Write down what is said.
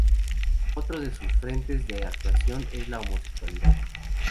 Otro de sus frentes de actuación es la homosexualidad.